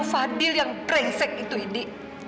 fadil yang prengsek itu ide